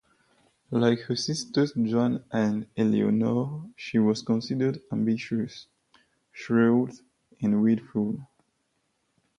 Like her sisters Joan and Eleanor she was considered ambitious, shrewd and willful.